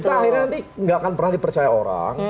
kita akhirnya nanti nggak akan pernah dipercaya orang